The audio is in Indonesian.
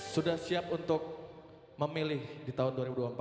sudah siap untuk memilih di tahun dua ribu dua puluh empat